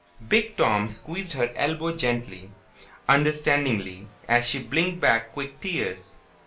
Big Tom squeezed her elbow gently, understandingly, as she blinked back quick tears.